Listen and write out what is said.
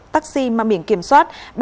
taxi mang biển kiểm soát